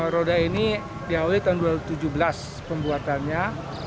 roda ini diawali tahun dua ribu tujuh belas pembuatannya